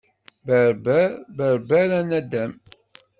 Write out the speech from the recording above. Berber, berber a naddam.